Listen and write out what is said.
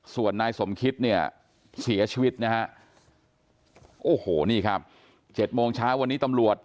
ส่วนนายสมคิตเนี่ยเสียชีวิตนะฮะโอ้โหนี่ครับ๗โมงเช้าวันนี้ตำรวจ